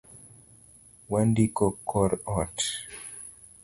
Wendiko kor ot